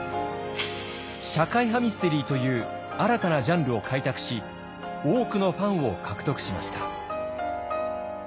社会派ミステリーという新たなジャンルを開拓し多くのファンを獲得しました。